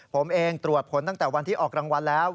ผมเองตรวจผลตั้งแต่วันที่ออกรางวัลแล้ว